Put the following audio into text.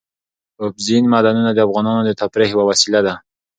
اوبزین معدنونه د افغانانو د تفریح یوه وسیله ده.